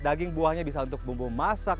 daging buahnya bisa untuk bumbu masak